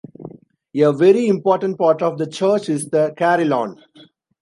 A very important part of the church is the carillon.